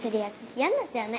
嫌になっちゃうね。